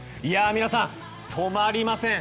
皆さん、止まりません！